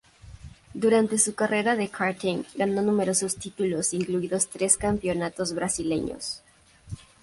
Durante su carrera de karting, ganó numerosos títulos, incluidos tres campeonatos brasileños.